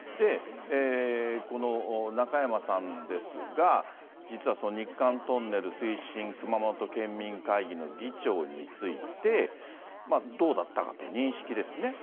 この中山さんですが、実はその日韓トンネル推進熊本県民会議の議長について、どうだったかという認識ですね。